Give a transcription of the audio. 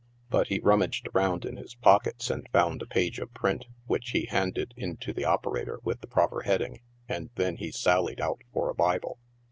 But he rummaged around in his pockets and found a page of print, which he handed into the operator with the proper heading, and then he sallied out for a Bible.